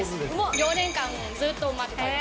４年間、ずっと待ってた。